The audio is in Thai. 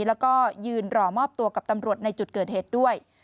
แล้วก็ยืนรอมอบตัวกับตำรวจในจุดเกิดเหตุด้วย